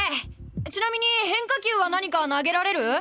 ちなみに変化球は何か投げられる？